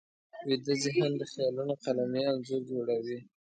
ویده ذهن د خیالونو قلمي انځور جوړوي